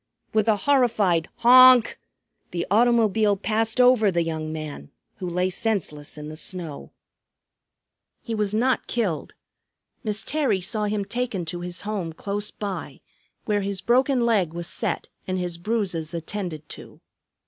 With a horrified honk the automobile passed over the young man, who lay senseless in the snow. [Illustration: BOB COOPER SAVES THE BABY] He was not killed. Miss Terry saw him taken to his home close by, where his broken leg was set and his bruises attended to.